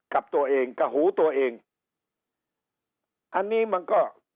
กับตัวเองกับหูตัวเองอันนี้มันก็